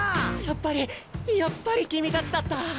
やっぱりやっぱり君たちだった。